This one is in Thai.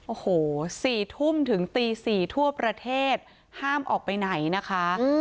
โอ้โห๔ทุ่มถึงตี๔ทั่วประเทศห้ามออกไปไหนนะคะ